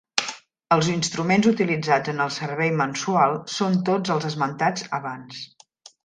Els instruments utilitzats en el servei mensual són tots els esmentats abans.